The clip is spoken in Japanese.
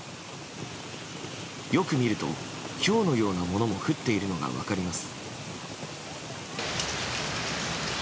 よく見るとひょうのようなものも降っているのが分かります。